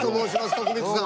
徳光さん。